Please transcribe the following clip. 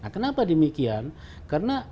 kenapa demikian karena